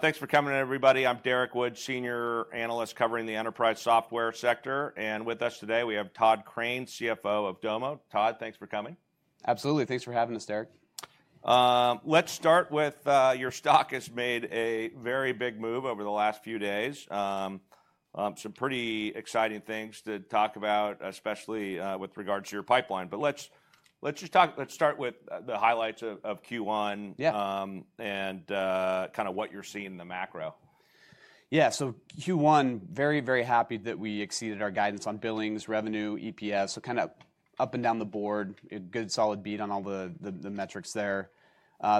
Thanks for coming, everybody. I'm Derrick Wood, Senior Analyst covering the enterprise Software sector. And with us today, we have Tod Crane, CFO of Domo. Tod, thanks for coming. Absolutely. Thanks for having us, Derrick. Let's start with your stock has made a very big move over the last few days. Some pretty exciting things to talk about, especially with regards to your pipeline. Let's just talk, let's start with the highlights of Q1 and kind of what you're seeing in the macro. Yeah, so Q1, very, very happy that we exceeded our guidance on billings, revenue, EPS. Kind of up and down the board, good solid beat on all the metrics there.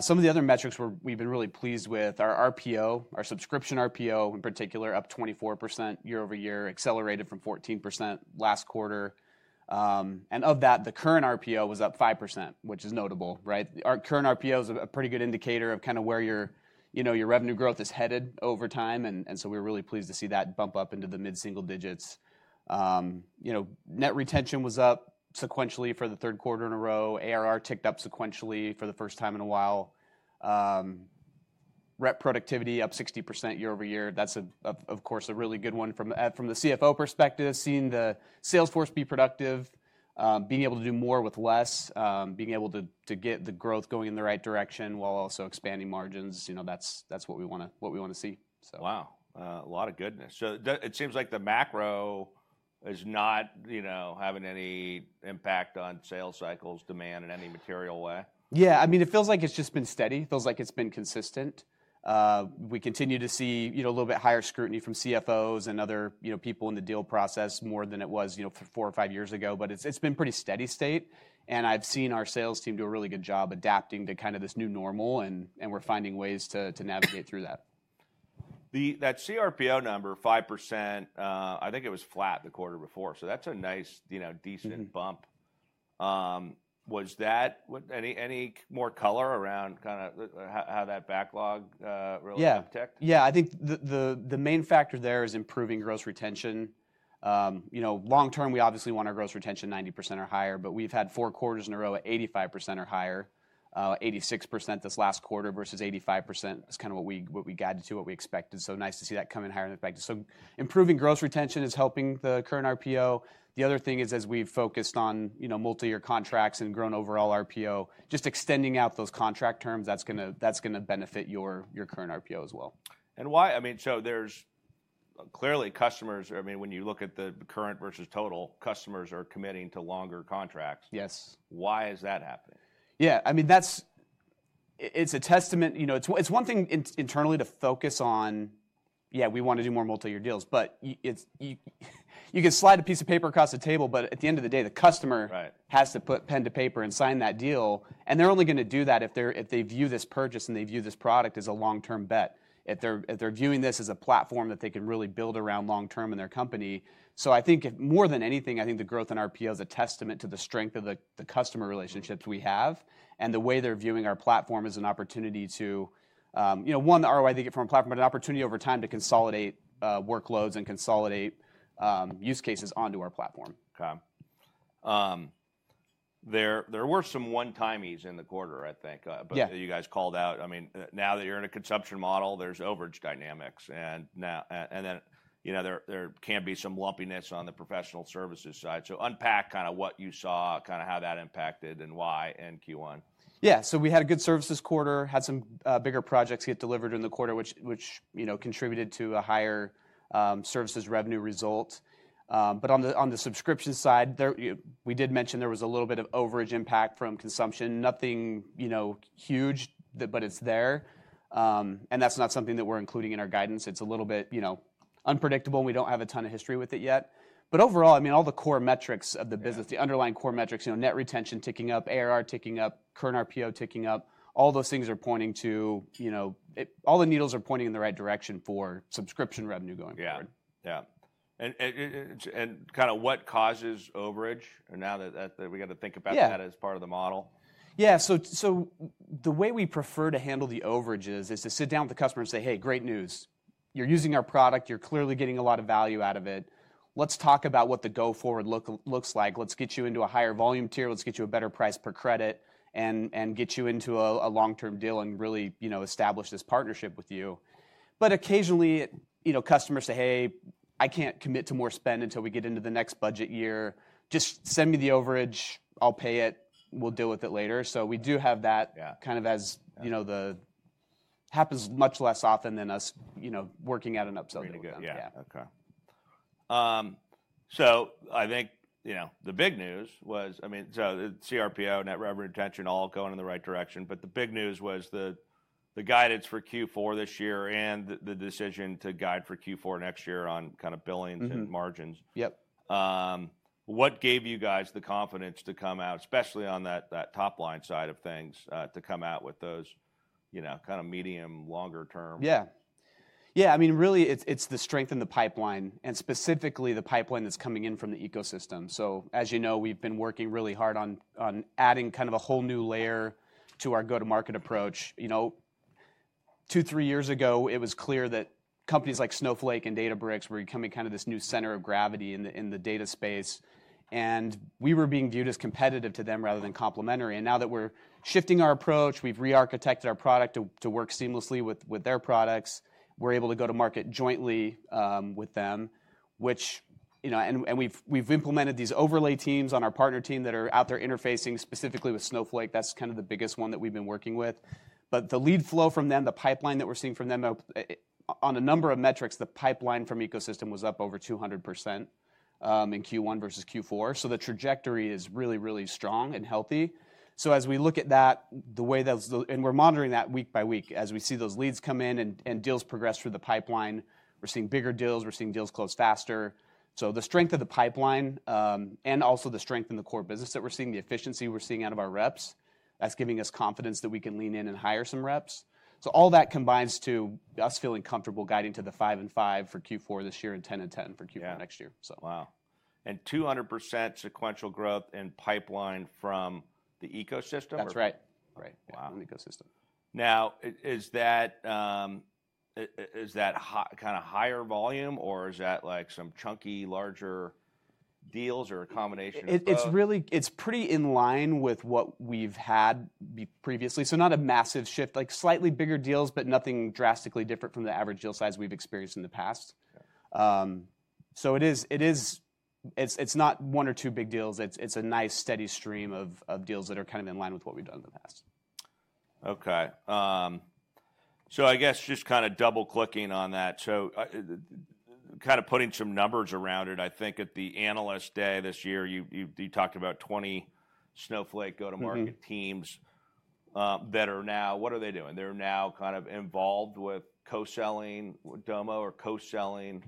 Some of the other metrics we've been really pleased with are RPO, our subscription RPO in particular, up 24% year-over-year, accelerated from 14% last quarter. Of that, the current RPO was up 5%, which is notable. Our current RPO is a pretty good indicator of kind of where your revenue growth is headed over time. We are really pleased to see that bump up into the mid-single digits. Net retention was up sequentially for the third quarter in a row. ARR ticked up sequentially for the first time in a while. Rep productivity up 60% year-over-year. That's, of course, a really good one from the CFO perspective, seeing the Salesforce be productive, being able to do more with less, being able to get the growth going in the right direction while also expanding margins. That's what we want to see. Wow, a lot of goodness. It seems like the macro is not having any impact on sales cycles, demand, in any material way. Yeah, I mean, it feels like it's just been steady. It feels like it's been consistent. We continue to see a little bit higher scrutiny from CFOs and other people in the deal process more than it was four or five years ago. It has been pretty steady state. I have seen our sales team do a really good job adapting to kind of this new normal. We are finding ways to navigate through that. That CRPO number, 5%, I think it was flat the quarter before. That is a nice, decent bump. Was that any more color around kind of how that backlog really impacted? Yeah, I think the main factor there is improving gross retention. Long term, we obviously want our gross retention 90% or higher. But we've had four quarters in a row at 85% or higher, 86% this last quarter versus 85% is kind of what we guided to, what we expected. Nice to see that coming higher in effect. Improving gross retention is helping the current RPO. The other thing is, as we've focused on multi-year contracts and grown overall RPO, just extending out those contract terms, that's going to benefit your current RPO as well. Why? I mean, so there's clearly customers, I mean, when you look at the current versus total, customers are committing to longer contracts. Yes. Why is that happening? Yeah, I mean, it's a testament. It's one thing internally to focus on, yeah, we want to do more multi-year deals. You can slide a piece of paper across the table. At the end of the day, the customer has to put pen to paper and sign that deal. They're only going to do that if they view this purchase and they view this product as a long-term bet. If they're viewing this as a platform that they can really build around long term in their company. I think more than anything, I think the growth in RPO is a testament to the strength of the customer relationships we have and the way they're viewing our platform as an opportunity to, one, ROI, they get from our platform, but an opportunity over time to consolidate workloads and consolidate use cases onto our platform. There were some one-timeys in the quarter, I think, that you guys called out. I mean, now that you're in a consumption model, there's overage dynamics. And then there can be some lumpiness on the professional services side. Unpack kind of what you saw, kind of how that impacted and why in Q1. Yeah, so we had a good services quarter, had some bigger projects get delivered in the quarter, which contributed to a higher services revenue result. On the subscription side, we did mention there was a little bit of overage impact from consumption, nothing huge, but it's there. That's not something that we're including in our guidance. It's a little bit unpredictable. We don't have a ton of history with it yet. Overall, I mean, all the core metrics of the business, the underlying core metrics, net retention ticking up, ARR ticking up, current RPO ticking up, all those things are pointing to all the needles are pointing in the right direction for subscription revenue going forward. Yeah. Kind of what causes overage now that we got to think about that as part of the model? Yeah, so the way we prefer to handle the overages is to sit down with the customer and say, "Hey, great news. You're using our product. You're clearly getting a lot of value out of it. Let's talk about what the go-forward looks like. Let's get you into a higher volume tier. Let's get you a better price per credit and get you into a long-term deal and really establish this partnership with you." Occasionally, customers say, "Hey, I can't commit to more spend until we get into the next budget year. Just send me the overage. I'll pay it. We'll deal with it later." We do have that kind of as the happens much less often than us working out an upsell deal. Yeah. Okay. I think the big news was, I mean, the CRPO, net revenue retention, all going in the right direction. The big news was the guidance for Q4 this year and the decision to guide for Q4 next year on kind of billings and margins. Yep. What gave you guys the confidence to come out, especially on that top line side of things, to come out with those kind of medium, longer term? Yeah. Yeah, I mean, really, it's the strength in the pipeline and specifically the pipeline that's coming in from the ecosystem. As you know, we've been working really hard on adding kind of a whole new layer to our go-to-market approach. Two, three years ago, it was clear that companies like Snowflake and Databricks were becoming kind of this new center of gravity in the data space. We were being viewed as competitive to them rather than complementary. Now that we're shifting our approach, we've re-architected our product to work seamlessly with their products. We're able to go-to-market jointly with them. We've implemented these overlay teams on our partner team that are out there interfacing specifically with Snowflake. That's kind of the biggest one that we've been working with. The lead flow from them, the pipeline that we're seeing from them on a number of metrics, the pipeline from ecosystem was up over 200% in Q1 versus Q4. The trajectory is really, really strong and healthy. As we look at that, the way that and we're monitoring that week by week as we see those leads come in and deals progress through the pipeline. We're seeing bigger deals. We're seeing deals close faster. The strength of the pipeline and also the strength in the core business that we're seeing, the efficiency we're seeing out of our reps, that's giving us confidence that we can lean in and hire some reps. All that combines to us feeling comfortable guiding to the five and five for Q4 this year and 10 and 10 for Q4 next year. Wow. 200% sequential growth in pipeline from the ecosystem? That's right. Wow. From the ecosystem. Now, is that kind of higher volume or is that like some chunky, larger deals or a combination? It's pretty in line with what we've had previously. Not a massive shift, like slightly bigger deals, but nothing drastically different from the average deal size we've experienced in the past. It's not one or two big deals. It's a nice steady stream of deals that are kind of in line with what we've done in the past. Okay. I guess just kind of double-clicking on that, kind of putting some numbers around it, I think at the analyst day this year, you talked about 20 Snowflake go-to-market teams that are now, what are they doing? They're now kind of involved with co-selling with Domo or co-selling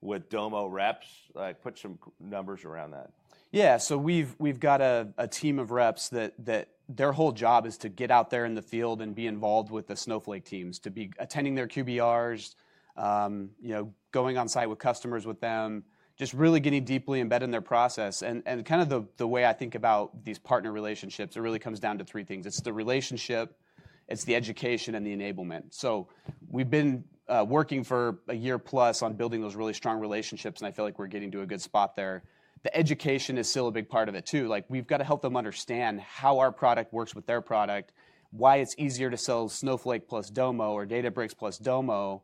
with Domo reps? Put some numbers around that. Yeah, so we've got a team of reps that their whole job is to get out there in the field and be involved with the Snowflake teams, to be attending their QBRs, going on site with customers with them, just really getting deeply embedded in their process. The way I think about these partner relationships, it really comes down to three things. It's the relationship. It's the education and the enablement. We've been working for a year plus on building those really strong relationships. I feel like we're getting to a good spot there. The education is still a big part of it too. We've got to help them understand how our product works with their product, why it's easier to sell Snowflake plus Domo or Databricks plus Domo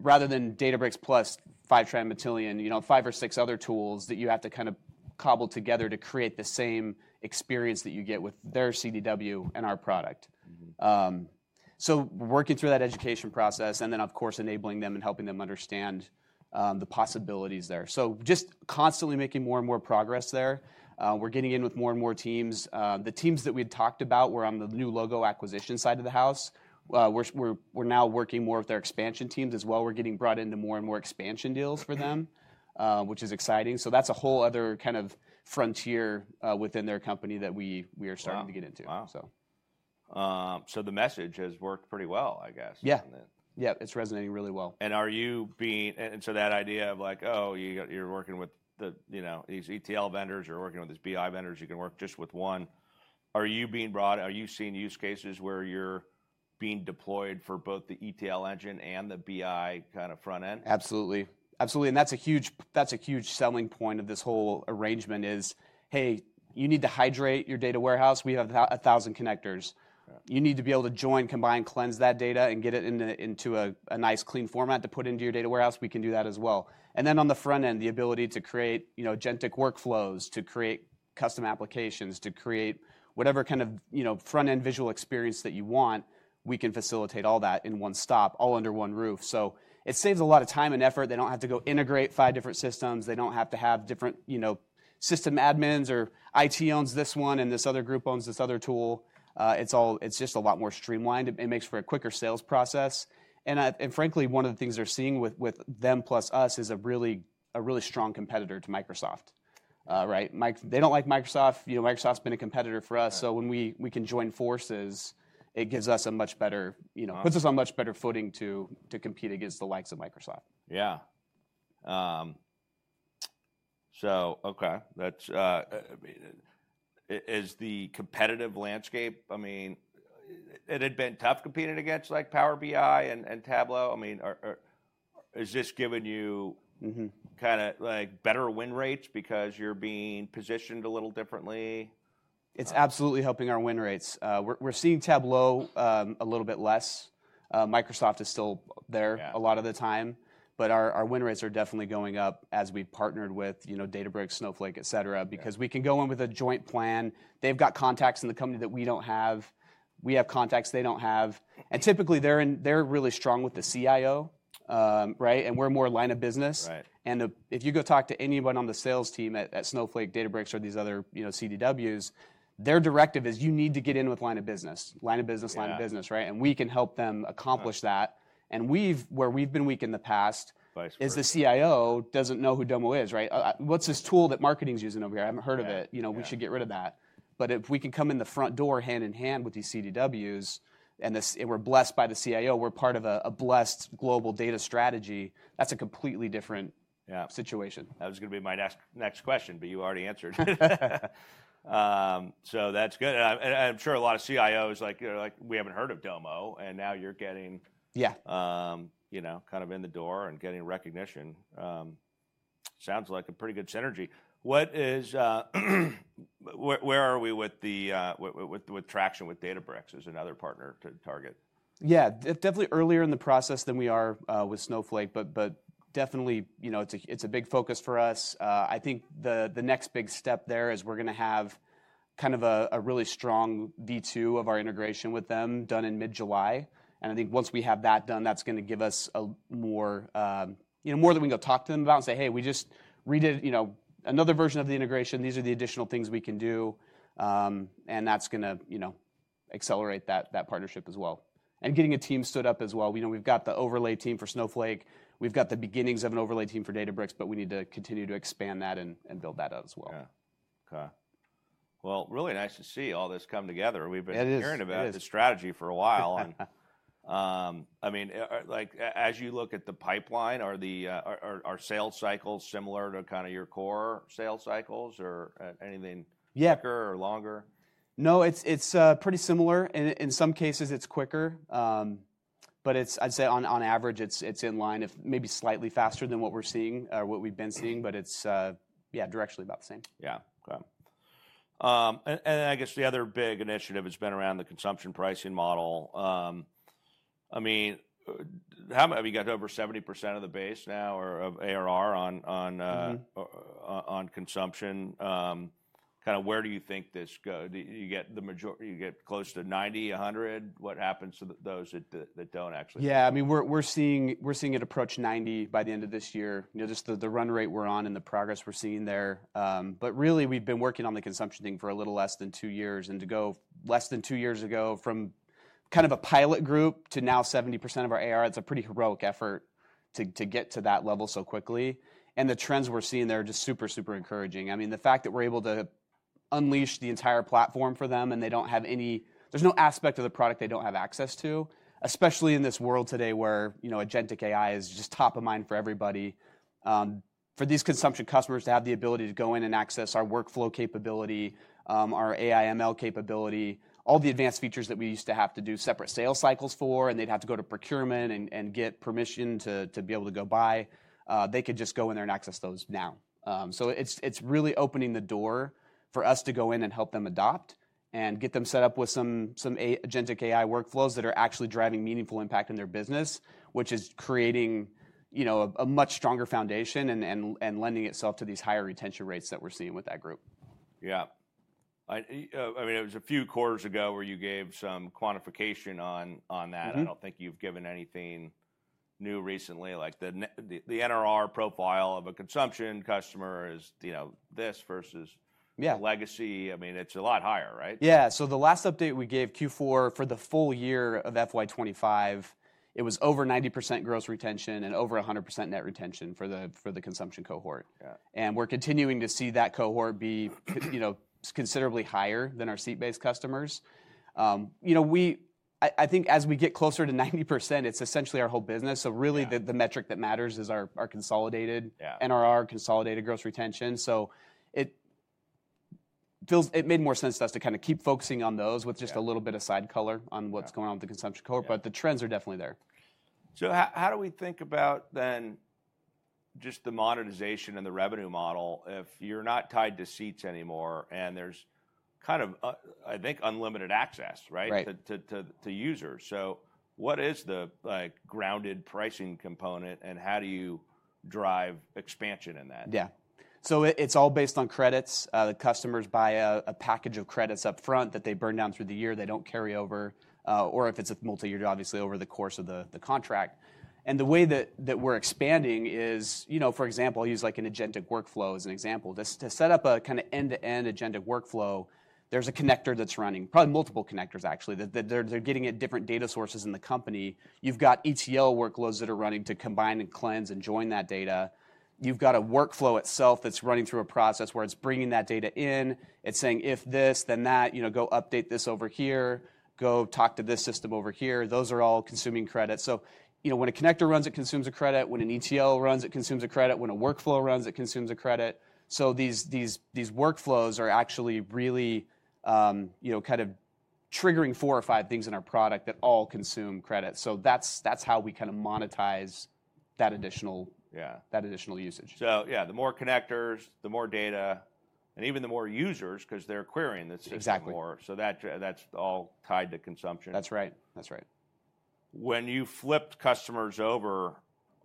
rather than Databricks plus Fivetran, Matillion, five or six other tools that you have to kind of cobble together to create the same experience that you get with their CDW and our product. Working through that education process and then, of course, enabling them and helping them understand the possibilities there. Just constantly making more and more progress there. We're getting in with more and more teams. The teams that we had talked about were on the new logo acquisition side of the house. We're now working more with their expansion teams as well. We're getting brought into more and more expansion deals for them, which is exciting. That's a whole other kind of frontier within their company that we are starting to get into. Wow. The message has worked pretty well, I guess. Yeah. Yeah, it's resonating really well. That idea of like, oh, you're working with these ETL vendors. You're working with these BI vendors. You can work just with one. Are you being brought, are you seeing use cases where you're being deployed for both the ETL engine and the BI kind of front end? Absolutely. Absolutely. That is a huge selling point of this whole arrangement is, hey, you need to hydrate your data warehouse. We have 1,000 connectors. You need to be able to join, combine, cleanse that data and get it into a nice clean format to put into your data warehouse. We can do that as well. On the front end, the ability to create agentic workflows, to create custom applications, to create whatever kind of front end visual experience that you want, we can facilitate all that in one stop, all under one roof. It saves a lot of time and effort. They do not have to go integrate five different systems. They do not have to have different system admins or IT owns this one and this other group owns this other tool. It is just a lot more streamlined. It makes for a quicker sales process. Frankly, one of the things they're seeing with them plus us is a really strong competitor to Microsoft. They don't like Microsoft. Microsoft's been a competitor for us. When we can join forces, it gives us much better, puts us on much better footing to compete against the likes of Microsoft. Yeah. So, okay. Is the competitive landscape, I mean, it had been tough competing against like Power BI and Tableau. I mean, is this giving you kind of better win rates because you're being positioned a little differently? It's absolutely helping our win rates. We're seeing Tableau a little bit less. Microsoft is still there a lot of the time. Our win rates are definitely going up as we partnered with Databricks, Snowflake, et cetera, because we can go in with a joint plan. They've got contacts in the company that we don't have. We have contacts they don't have. Typically, they're really strong with the CIO. We're more line of business. If you go talk to anyone on the sales team at Snowflake, Databricks, or these other CDWs, their directive is you need to get in with line of business, line of business, line of business. We can help them accomplish that. Where we've been weak in the past is the CIO doesn't know who Domo is. What's this tool that marketing's using over here? I haven't heard of it. We should get rid of that. If we can come in the front door hand in hand with these CDWs and we're blessed by the CIO, we're part of a blessed global data strategy, that's a completely different situation. That was going to be my next question, but you already answered. That's good. I'm sure a lot of CIOs are like, we haven't heard of Domo. Now you're getting kind of in the door and getting recognition. Sounds like a pretty good synergy. Where are we with traction with Databricks as another partner to target? Yeah, definitely earlier in the process than we are with Snowflake, but definitely it's a big focus for us. I think the next big step there is we're going to have kind of a really strong V2 of our integration with them done in mid-July. I think once we have that done, that's going to give us more that we can go talk to them about and say, hey, we just redid another version of the integration. These are the additional things we can do. That's going to accelerate that partnership as well. Getting a team stood up as well. We've got the overlay team for Snowflake. We've got the beginnings of an overlay team for Databricks, but we need to continue to expand that and build that out as well. Yeah. Okay. Really nice to see all this come together. We've been hearing about the strategy for a while. I mean, as you look at the pipeline, are sales cycles similar to kind of your core sales cycles or anything quicker or longer? No, it's pretty similar. In some cases, it's quicker. I'd say on average, it's in line, maybe slightly faster than what we're seeing or what we've been seeing. It's, yeah, directionally about the same. Yeah. Okay. I guess the other big initiative has been around the consumption pricing model. I mean, have you got over 70% of the base now or of ARR on consumption? Kind of where do you think this goes? You get close to 90, 100? What happens to those that do not actually? Yeah. I mean, we're seeing it approach 90% by the end of this year, just the run rate we're on and the progress we're seeing there. Really, we've been working on the consumption thing for a little less than two years. To go less than two years ago from kind of a pilot group to now 70% of our ARR, it's a pretty heroic effort to get to that level so quickly. The trends we're seeing there are just super, super encouraging. I mean, the fact that we're able to unleash the entire platform for them and they don't have any, there's no aspect of the product they don't have access to, especially in this world today where agentic AI is just top of mind for everybody. For these consumption customers to have the ability to go in and access our workflow capability, our AI/ML capability, all the advanced features that we used to have to do separate sales cycles for and they'd have to go to procurement and get permission to be able to go buy, they could just go in there and access those now. It is really opening the door for us to go in and help them adopt and get them set up with some agentic AI workflows that are actually driving meaningful impact in their business, which is creating a much stronger foundation and lending itself to these higher retention rates that we're seeing with that group. Yeah. I mean, it was a few quarters ago where you gave some quantification on that. I don't think you've given anything new recently. Like the NRR profile of a consumption customer is this versus legacy. I mean, it's a lot higher, right? Yeah. The last update we gave Q4 for the full year of FY 2025, it was over 90% gross retention and over 100% net retention for the consumption cohort. We're continuing to see that cohort be considerably higher than our seat-based customers. I think as we get closer to 90%, it's essentially our whole business. Really, the metric that matters is our consolidated NRR, consolidated gross retention. It made more sense to us to kind of keep focusing on those with just a little bit of side color on what's going on with the consumption cohort. The trends are definitely there. How do we think about then just the monetization and the revenue model if you're not tied to seats anymore and there's kind of, I think, unlimited access to users? What is the grounded pricing component and how do you drive expansion in that? Yeah. It is all based on credits. The customers buy a package of credits upfront that they burn down through the year. They do not carry over, or if it is a multi-year, obviously over the course of the contract. The way that we are expanding is, for example, I will use like an agentic workflow as an example. To set up a kind of end-to-end agentic workflow, there is a connector that is running, probably multiple connectors actually. They are getting at different data sources in the company. You have got ETL workloads that are running to combine and cleanse and join that data. You have got a workflow itself that is running through a process where it is bringing that data in. It is saying, if this, then that, go update this over here. Go talk to this system over here. Those are all consuming credits. When a connector runs, it consumes a credit. When an ETL runs, it consumes a credit. When a workflow runs, it consumes a credit. These workflows are actually really kind of triggering four or five things in our product that all consume credit. That is how we kind of monetize that additional usage. Yeah, the more connectors, the more data, and even the more users because they're querying this more. That's all tied to consumption. That's right. That's right. When you flipped customers over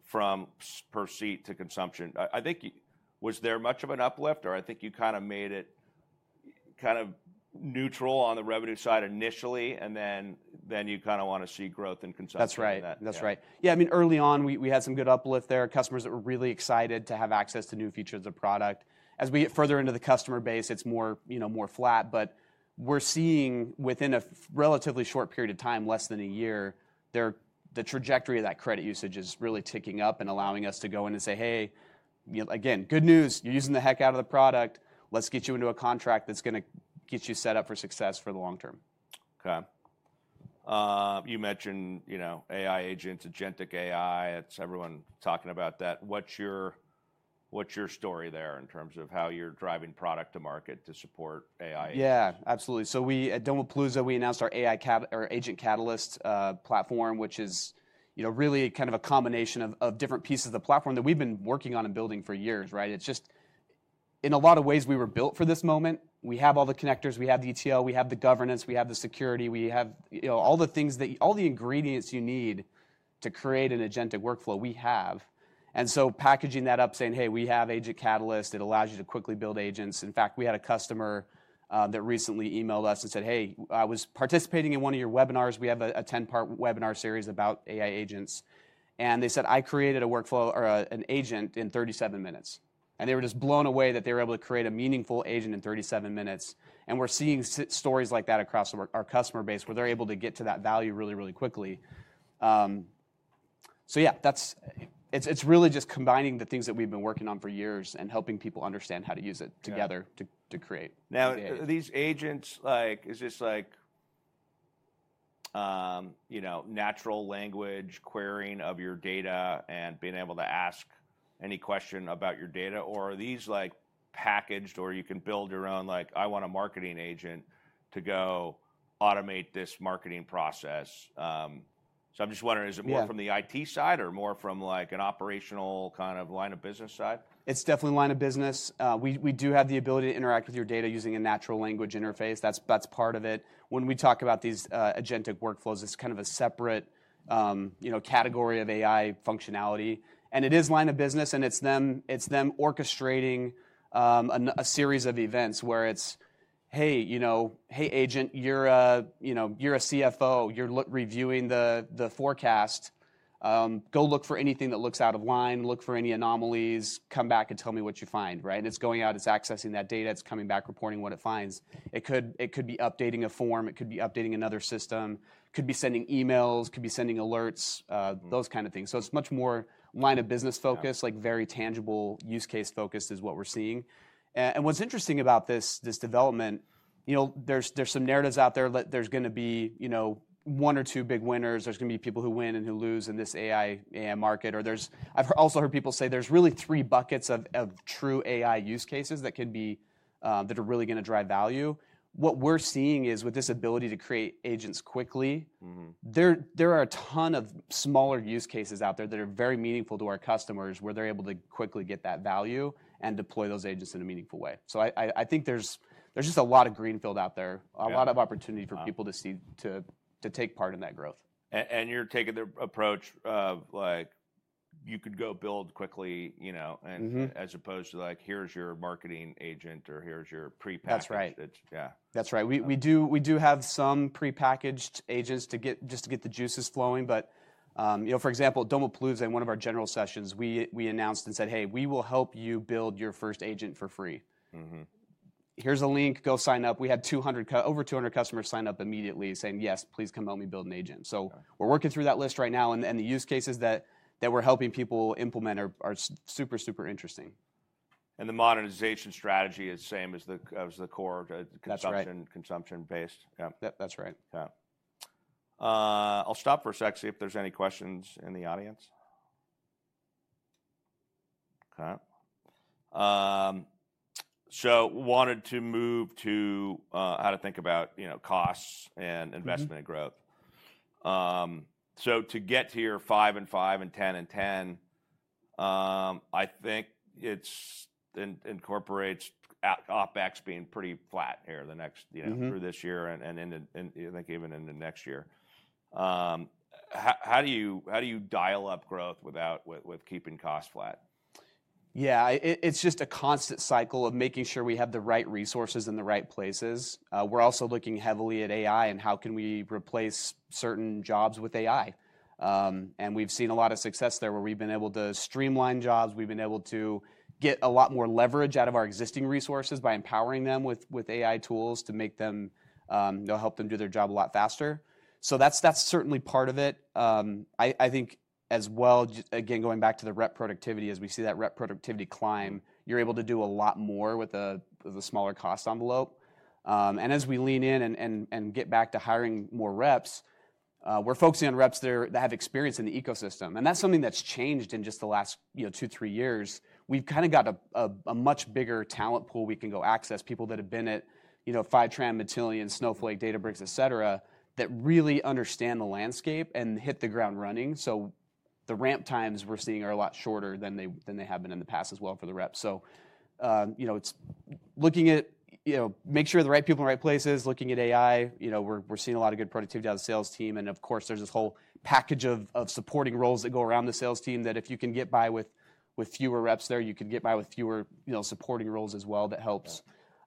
from per seat to consumption, I think was there much of an uplift or I think you kind of made it kind of neutral on the revenue side initially, and then you kind of want to see growth in consumption? That's right. That's right. Yeah. I mean, early on, we had some good uplift there. Customers that were really excited to have access to new features of product. As we get further into the customer base, it's more flat. We're seeing within a relatively short period of time, less than a year, the trajectory of that credit usage is really ticking up and allowing us to go in and say, hey, again, good news. You're using the heck out of the product. Let's get you into a contract that's going to get you set up for success for the long term. Okay. You mentioned AI agents, Agentic AI. Everyone's talking about that. What's your story there in terms of how you're driving product to market to support AI agents? Yeah, absolutely. At Domopalooza, we announced our Agent Catalyst platform, which is really kind of a combination of different pieces of the platform that we've been working on and building for years. In a lot of ways, we were built for this moment. We have all the connectors. We have the ETL. We have the governance. We have the security. We have all the things, all the ingredients you need to create an agentic workflow. We have. Packaging that up, saying, hey, we have Agent Catalyst. It allows you to quickly build agents. In fact, we had a customer that recently emailed us and said, hey, I was participating in one of your webinars. We have a 10-part webinar series about AI agents. They said, I created an agent in 37 minutes. They were just blown away that they were able to create a meaningful agent in 37 minutes. We are seeing stories like that across our customer base where they are able to get to that value really, really quickly. It is really just combining the things that we have been working on for years and helping people understand how to use it together to create. Now, these agents, is this like natural language querying of your data and being able to ask any question about your data? Or are these packaged or you can build your own, like, I want a marketing agent to go automate this marketing process? I am just wondering, is it more from the IT side or more from like an operational kind of line of business side? It's definitely line of business. We do have the ability to interact with your data using a natural language interface. That's part of it. When we talk about these agentic workflows, it's kind of a separate category of AI functionality. It is line of business. It's them orchestrating a series of events where it's, hey, hey agent, you're a CFO. You're reviewing the forecast. Go look for anything that looks out of line. Look for any anomalies. Come back and tell me what you find. It's going out. It's accessing that data. It's coming back, reporting what it finds. It could be updating a form. It could be updating another system. It could be sending emails. It could be sending alerts, those kind of things. It's much more line of business focused, like very tangible use case focused is what we're seeing. What's interesting about this development, there's some narratives out there. There's going to be one or two big winners. There's going to be people who win and who lose in this AI market. I've also heard people say there's really three buckets of true AI use cases that are really going to drive value. What we're seeing is with this ability to create agents quickly, there are a ton of smaller use cases out there that are very meaningful to our customers where they're able to quickly get that value and deploy those agents in a meaningful way. I think there's just a lot of greenfield out there, a lot of opportunity for people to take part in that growth. You're taking the approach of you could go build quickly as opposed to like, here's your marketing agent or here's your pre-packaged. That's right. Yeah. That's right. We do have some pre-packaged agents just to get the juices flowing. For example, at Domopalooza, in one of our general sessions, we announced and said, hey, we will help you build your first agent for free. Here's a link. Go sign up. We had over 200 customers sign up immediately saying, yes, please come help me build an agent. We are working through that list right now. The use cases that we are helping people implement are super, super interesting. The modernization strategy is same as the core consumption-based. That's right. Yeah. I'll stop for a sec to see if there's any questions in the audience. Okay. Wanted to move to how to think about costs and investment and growth. To get to your five and five and 10 and 10, I think it incorporates OpEx being pretty flat here through this year and I think even into next year. How do you dial up growth with keeping costs flat? Yeah. It's just a constant cycle of making sure we have the right resources in the right places. We're also looking heavily at AI and how can we replace certain jobs with AI. We've seen a lot of success there where we've been able to streamline jobs. We've been able to get a lot more leverage out of our existing resources by empowering them with AI tools to help them do their job a lot faster. That's certainly part of it. I think as well, again, going back to the rep productivity, as we see that rep productivity climb, you're able to do a lot more with a smaller cost envelope. As we lean in and get back to hiring more reps, we're focusing on reps that have experience in the ecosystem. That's something that's changed in just the last two, three years. We've kind of got a much bigger talent pool. We can go access people that have been at Fivetran, Matillion, Snowflake, Databricks, et cetera, that really understand the landscape and hit the ground running. The ramp times we're seeing are a lot shorter than they have been in the past as well for the reps. Looking at making sure the right people in the right places, looking at AI, we're seeing a lot of good productivity on the sales team. Of course, there's this whole package of supporting roles that go around the sales team that if you can get by with fewer reps there, you can get by with fewer supporting roles as well. That helps.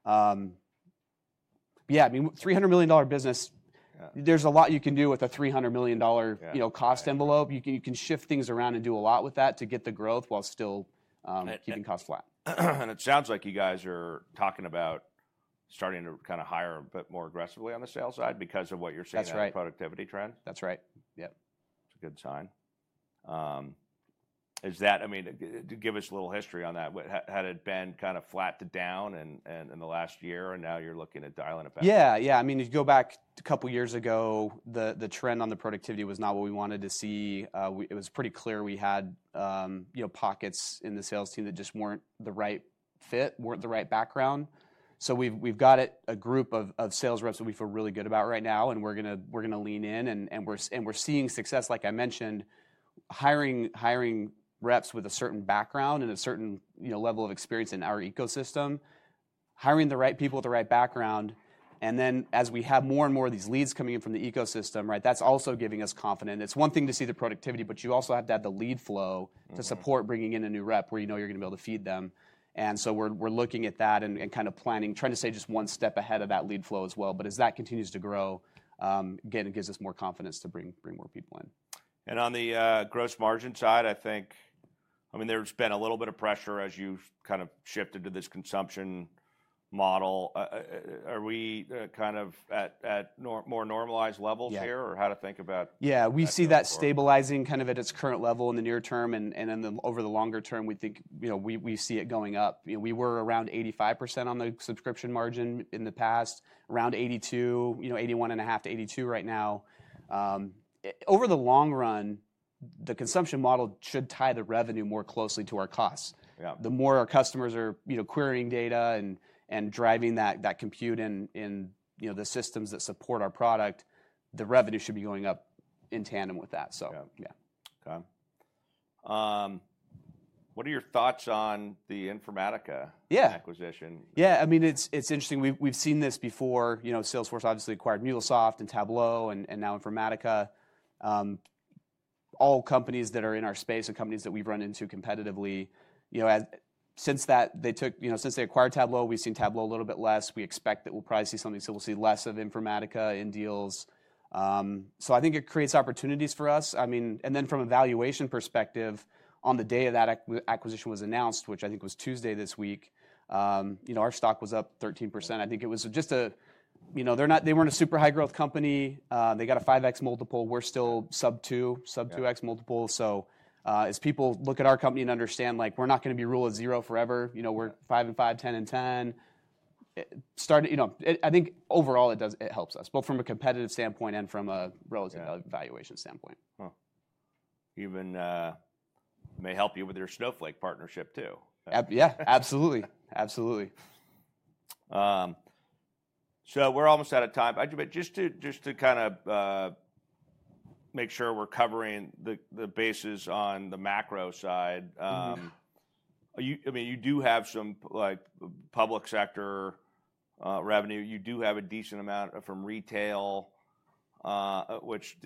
Yeah, I mean, $300 million business, there's a lot you can do with a $300 million cost envelope. You can shift things around and do a lot with that to get the growth while still keeping costs flat. It sounds like you guys are talking about starting to kind of hire a bit more aggressively on the sales side because of what you're seeing in the productivity trends. That's right. Yeah. It's a good sign. I mean, give us a little history on that. Had it been kind of flat to down in the last year and now you're looking at dialing it back? Yeah. Yeah. I mean, if you go back a couple of years ago, the trend on the productivity was not what we wanted to see. It was pretty clear we had pockets in the sales team that just weren't the right fit, weren't the right background. We have a group of sales reps that we feel really good about right now. We're going to lean in. We're seeing success, like I mentioned, hiring reps with a certain background and a certain level of experience in our ecosystem, hiring the right people with the right background. As we have more and more of these leads coming in from the ecosystem, that's also giving us confidence. It's one thing to see the productivity, but you also have to have the lead flow to support bringing in a new rep where you know you're going to be able to feed them. We are looking at that and kind of planning, trying to stay just one step ahead of that lead flow as well. As that continues to grow, again, it gives us more confidence to bring more people in. On the gross margin side, I think, I mean, there's been a little bit of pressure as you kind of shifted to this consumption model. Are we kind of at more normalized levels here or how to think about? Yeah. We see that stabilizing kind of at its current level in the near term. In the longer term, we think we see it going up. We were around 85% on the subscription margin in the past, around 82%, 81.5% to 82% right now. Over the long run, the consumption model should tie the revenue more closely to our costs. The more our customers are querying data and driving that compute in the systems that support our product, the revenue should be going up in tandem with that. Yeah. Okay. What are your thoughts on the Informatica acquisition? Yeah. I mean, it's interesting. We've seen this before. Salesforce obviously acquired MuleSoft and Tableau and now Informatica. All companies that are in our space and companies that we've run into competitively, since they acquired Tableau, we've seen Tableau a little bit less. We expect that we'll probably see something. We will see less of Informatica in deals. I think it creates opportunities for us. I mean, and then from a valuation perspective, on the day that acquisition was announced, which I think was Tuesday this week, our stock was up 13%. I think it was just a they weren't a super high-growth company. They got a 5x multiple. We're still sub two, sub 2x multiple. As people look at our company and understand, we're not going to be rule of zero forever. We're five and five, 10 and 10. I think overall, it helps us both from a competitive standpoint and from a valuation standpoint. Even may help you with your Snowflake partnership too. Yeah, absolutely. Absolutely. We're almost out of time. But just to kind of make sure we're covering the bases on the macro side, I mean, you do have some public sector revenue. You do have a decent amount from retail, which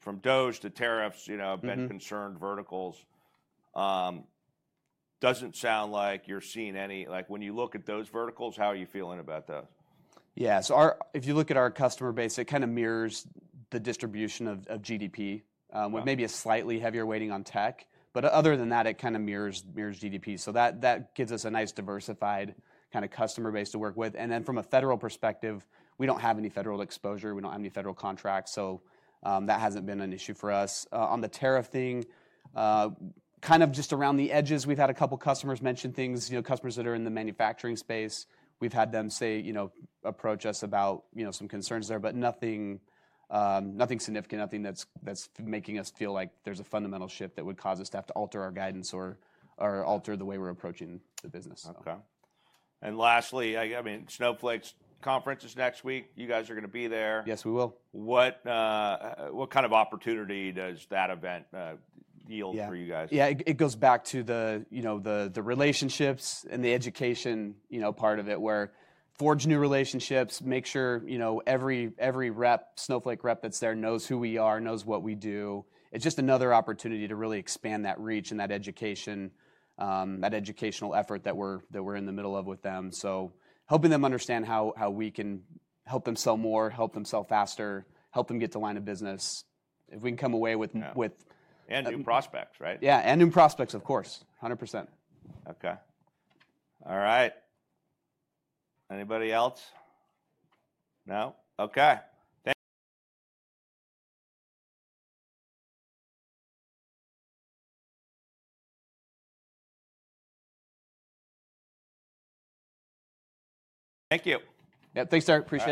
from DOGE to tariffs, been concerned verticals. Doesn't sound like you're seeing any. When you look at those verticals, how are you feeling about those? Yeah. If you look at our customer base, it kind of mirrors the distribution of GDP with maybe a slightly heavier weighting on tech. Other than that, it kind of mirrors GDP. That gives us a nice diversified kind of customer base to work with. From a federal perspective, we do not have any federal exposure. We do not have any federal contracts. That has not been an issue for us. On the tariff thing, kind of just around the edges, we have had a couple of customers mention things, customers that are in the manufacturing space. We have had them say, approach us about some concerns there, but nothing significant, nothing that is making us feel like there is a fundamental shift that would cause us to have to alter our guidance or alter the way we are approaching the business. Okay. And lastly, I mean, Snowflake's conference is next week. You guys are going to be there. Yes, we will. What kind of opportunity does that event yield for you guys? Yeah. It goes back to the relationships and the education part of it where forge new relationships, make sure every rep, Snowflake rep that's there knows who we are, knows what we do. It's just another opportunity to really expand that reach and that educational effort that we're in the middle of with them. Helping them understand how we can help them sell more, help them sell faster, help them get to line of business. If we can come away with. New prospects, right? Yeah. New prospects, of course. 100%. Okay. All right. Anybody else? No? Okay. Thank you. Yeah. Thanks, sir. Appreciate it.